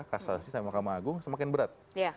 kasasi sama mahkamah agung semakin berat